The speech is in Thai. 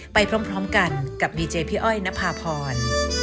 ไปพร้อมกันกับดีเจพี่อ้อยนภาพร